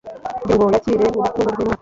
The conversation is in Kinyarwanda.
Kugira ngo yakire urukundo rw'Imana